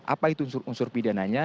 apa itu unsur unsur pidana nya